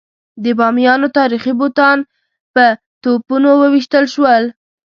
د بامیانو تاریخي بوتان په توپونو وویشتل شول.